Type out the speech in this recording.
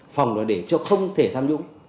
phòng đó để cho không thể tham nhũng